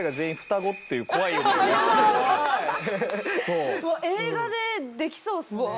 うわ映画でできそうっすね。